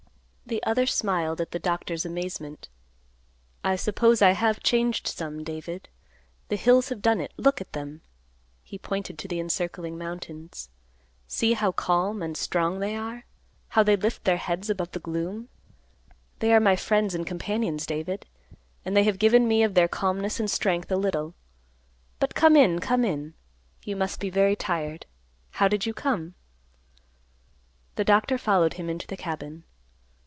The other smiled at the Doctor's amazement. "I suppose I have changed some, David. The hills have done it. Look at them!" He pointed to the encircling mountains. "See how calm and strong they are; how they lift their heads above the gloom. They are my friends and companions, David. And they have given me of their calmness and strength a little. But come in, come in; you must be very tired. How did you come?" The doctor followed him into the cabin.